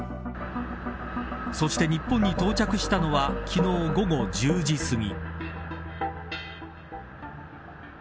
そして日本に到着したのは昨日午後１０時すぎ。